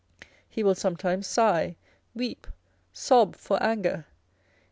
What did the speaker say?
He will sometimes sigh, weep, sob for anger.